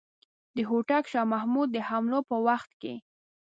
د هوتک شاه محمود د حملو په وخت کې.